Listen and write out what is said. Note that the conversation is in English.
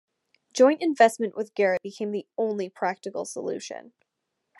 Joint investment with Garrett became the only practical solution.